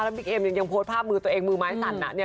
บิ๊กเอ็มยังโพสต์ภาพมือตัวเองมือไม้สั่นน่ะเนี่ย